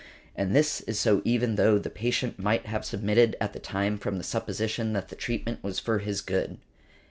And this is so even though the patient might have submitted at the time from the supposition that the treatment was for his good.